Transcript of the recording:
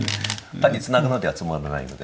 単にツナぐのではつまらないので。